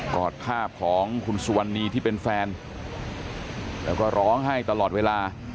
อดภาพของคุณสุวรรณีที่เป็นแฟนแล้วก็ร้องไห้ตลอดเวลา